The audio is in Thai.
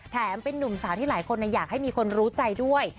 เป็นนุ่มสาวที่หลายคนอยากให้มีคนรู้ใจด้วย